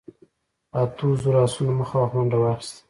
اتو زرو آسونو مخامخ منډه واخيسته.